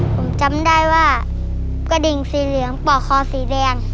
ผมจำได้ว่ากระดิ่งสีเหลืองป่อคอสีแดง